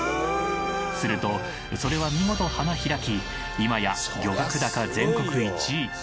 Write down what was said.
するとそれはみごと花開き今や漁獲高全国１位。